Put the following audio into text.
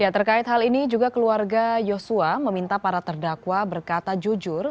terkait hal ini juga keluarga yosua meminta para terdakwa berkata jujur